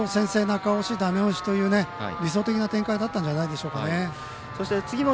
先制中押し、ダメ押しという理想的な展開だったんじゃないでしょうか。